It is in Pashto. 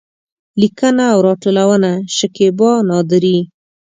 لیکنه او راټولونه: شکېبا نادري